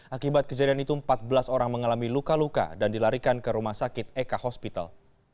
akibat kejadian itu empat belas orang mengalami luka luka dan dilarikan ke rumah sakit eka hospital